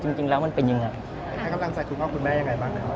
อเจมส์ให้กำลังใจคุณข้องคุณแม่อย่างไรบ้าง